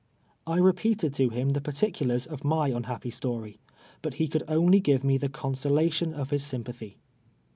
I repeated to him the particulars of my unhappy story, but he could only give me the consolation of his sympathy.